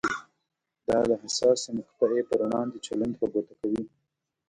دا د حساسې مقطعې پر وړاندې چلند په ګوته کوي.